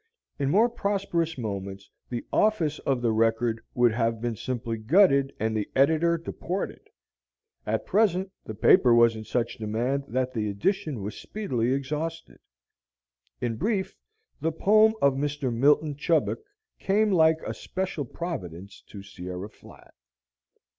In more prosperous moments the office of the "Record" would have been simply gutted and the editor deported; at present the paper was in such demand that the edition was speedily exhausted. In brief, the poem of Mr. Milton Chubbuck came like a special providence to Sierra Flat.